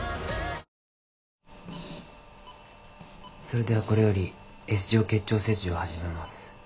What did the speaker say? それではこれよりＳ状結腸切除を始めます。